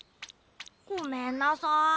ごめんなさい。